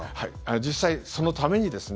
実際、そのためにですね